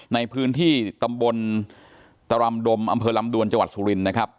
ในพื้นที่ตำบลตรำดมอำเภอลำดวนจังหวัดสุรินนะครับ